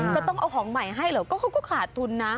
ต้องเอาของใหม่ให้เหรอก็เขาก็ขาดทุนนะ